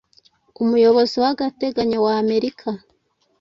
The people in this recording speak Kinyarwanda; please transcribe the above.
Umuyobozi wagateganyo wa amerika